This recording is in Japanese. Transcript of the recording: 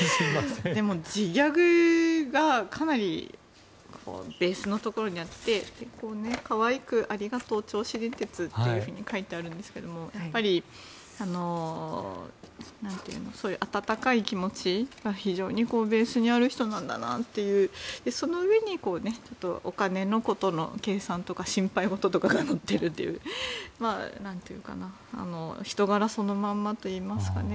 でも、自ギャグがかなりベースのところにあって可愛く「ありがとう、銚子電鉄」っていうふうに書いてあるんですけどやっぱりそういう温かい気持ちが非常にベースにある人なんだなというその上にお金のことの計算とか心配事とかが乗っているという人柄そのまんまといいますかね。